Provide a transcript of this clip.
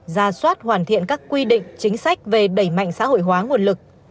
ra soát hoàn thiện các quy định chính sách về đẩy mạnh xã hội hóa nguồn lực